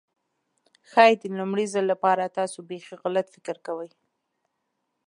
ښايي د لومړي ځل لپاره تاسو بيخي غلط فکر کوئ.